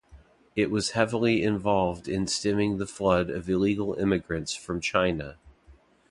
It was heavily involved in stemming the flood of illegal-immigrants from China.